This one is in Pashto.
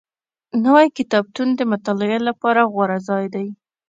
نوی کتابتون د مطالعې لپاره غوره ځای دی